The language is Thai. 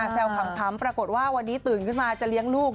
ขำปรากฏว่าวันนี้ตื่นขึ้นมาจะเลี้ยงลูก